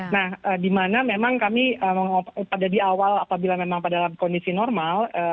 nah di mana memang kami pada di awal apabila memang pada dalam kondisi normal